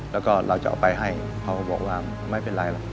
แล้วก็เราจะเอาไปให้เขาก็บอกว่าไม่เป็นไรหรอก